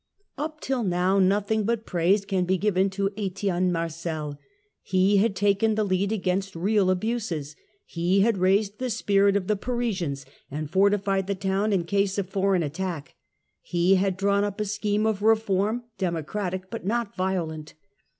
Up till now nothing but praise can be given to Etienne Marcel ; he had taken the lead against real abuses, he had raised the spirit of the Parisians and fortified the town in case of foreign attack, he had drawn up a scheme of reform, democratic but not violent.